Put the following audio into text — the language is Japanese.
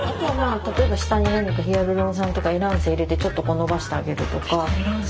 例えば下に何かヒアルロン酸とかエランセ入れてちょっと伸ばしてあげるとか出たエランセ